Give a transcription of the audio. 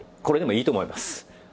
これでもいいと思います。